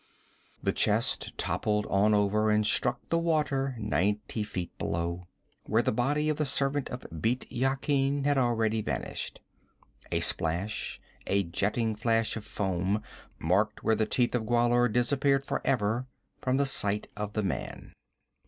The chest toppled on over and struck the water ninety feet below, where the body of the servant of Bît Yakin had already vanished. A splash, a jetting flash of foam marked where the Teeth of Gwahlur disappeared for ever from the sight of the man.